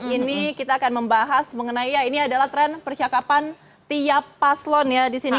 ini kita akan membahas mengenai ya ini adalah tren percakapan tiap paslon ya di sini